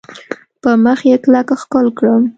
پر مخ یې کلک ښکل کړم .